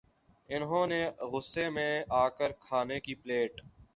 انھوں نے غصے میں آ کر کھانے کی پلیٹ